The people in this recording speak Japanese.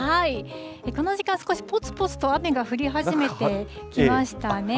この時間、少しぽつぽつと雨が降り始めてきましたね。